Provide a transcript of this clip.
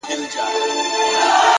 پوهه د غلط فهمۍ رڼا له منځه وړي.